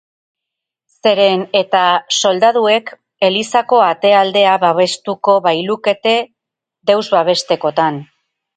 Zeren eta soldaduek elizako ate aldea babestuko bailukete, deus babestekotan.